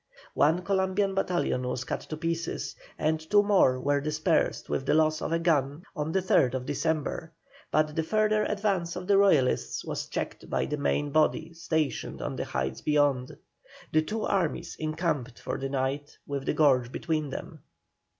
One Columbian battalion was cut to pieces, and two more were dispersed with the loss of a gun on the 3rd December; but the further advance of the Royalists was checked by the main body stationed on the heights beyond. The two armies encamped for the night with the gorge between them.